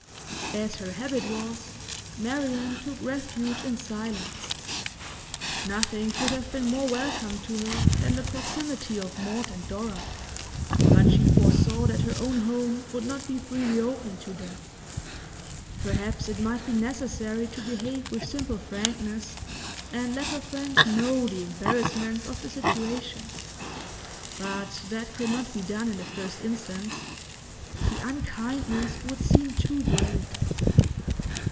As her habit was, Marian took refuge in silence. Nothing could have been more welcome to her than the proximity of Maud and Dora, but she foresaw that her own home would not be freely open to them; perhaps it might be necessary to behave with simple frankness, and let her friends know the embarrassments of the situation. But that could not be done in the first instance; the unkindness would seem too great.